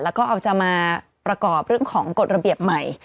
แล้วก็เอาจะมาประกอบเรื่องของกฎระเบียบใหม่